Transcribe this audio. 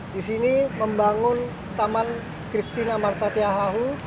di sini membangun taman christina martatya hahu